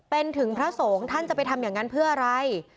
เป็นถึงพระสงฆ์ท่านจะไปทำอย่างนั้นเพื่ออะไร